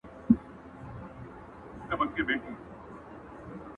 د خېر او خوشحالۍ سفر لري